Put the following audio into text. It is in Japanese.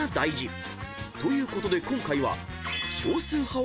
ということで今回は］